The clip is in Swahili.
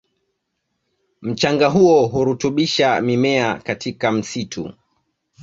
Mchanga huo hurutubisha mimea katika msitu